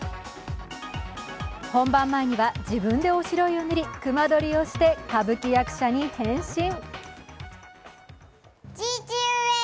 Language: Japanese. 本番前には、自分でおしろいを塗りくま取りをして歌舞伎役者に変身。